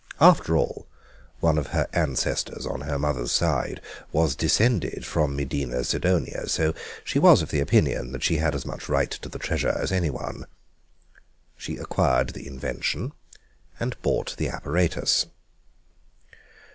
After all, one of her ancestors on her mother's side was descended from Medina Sidonia, so she was of opinion that she had as much right to the treasure as anyone. She acquired the invention and bought the apparatus.